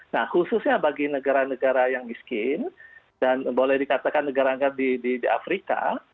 nah khususnya bagi negara negara yang miskin dan boleh dikatakan negara negara di afrika